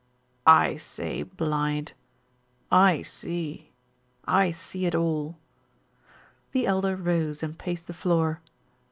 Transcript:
"I say blind. I see. I see it all." The Elder rose and paced the floor.